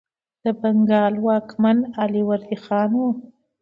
د بنګال واکمن علي وردي خان و.